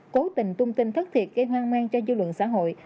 cố tình tung tin thất thiệt gây hoang mang cho dư luận xã hội